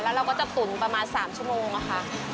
แล้วเราก็จะตุ๋นประมาณ๓ชั่วโมงค่ะ